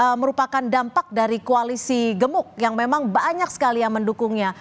ini merupakan dampak dari koalisi gemuk yang memang banyak sekali yang mendukungnya